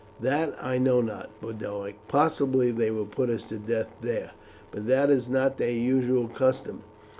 "That I know not, Boduoc; possibly they will put us to death there, but that is not their usual custom.